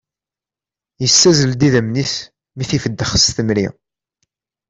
Yessazzel-d idammen-is mi i t-ifeddex s temri